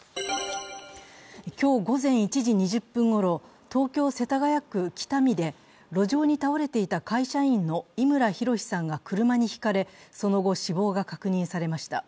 今日午前１時２０分ごろ、東京・世田谷区喜多見で、路上に倒れていた会社員の伊村周さんが車にひかれ、その後死亡が確認されました。